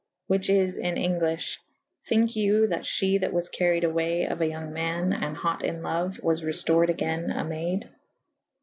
whiche is in Englyffhe. Thynke you that f he that was caried awaye of a yonge ma« / and hote in loue / was reltored agayne a mayde